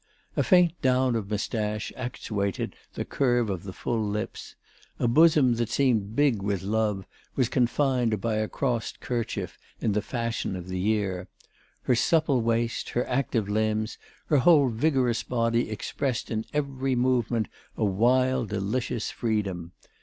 A faint down of moustache accentuated the curve of the full lips. A bosom that seemed big with love was confined by a crossed kerchief in the fashion of the year. Her supple waist, her active limbs, her whole vigorous body expressed in every movement a wild, delicious freedom.